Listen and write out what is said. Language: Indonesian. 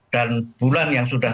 dan bulan yang sudah